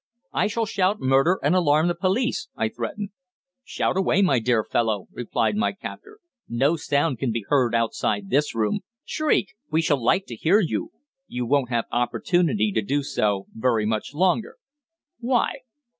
"I shall shout murder, and alarm the police," I threatened. "Shout away, my dear fellow," replied my captor. "No sound can be heard outside this room. Shriek! We shall like to hear you. You won't have opportunity to do so very much longer." "Why?"